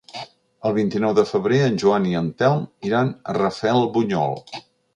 El vint-i-nou de febrer en Joan i en Telm iran a Rafelbunyol.